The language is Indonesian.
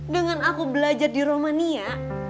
dengan aku belajar di romania